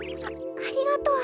あありがとう。